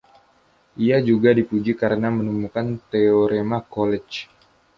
Ia juga dipuji karena menemukan teorema Collage.